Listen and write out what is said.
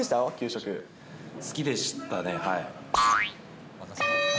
好きでしたね。